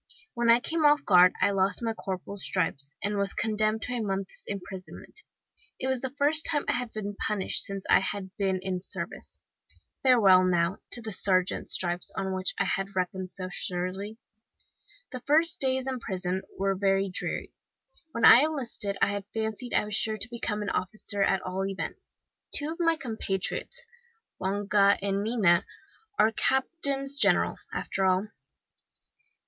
When I came off guard I lost my corporal's stripes, and was condemned to a month's imprisonment. It was the first time I had been punished since I had been in the service. Farewell, now, to the sergeant's stripes, on which I had reckoned so surely! "The first days in prison were very dreary. When I enlisted I had fancied I was sure to become an officer, at all events. Two of my compatriots, Longa and Mina, are captains general, after all.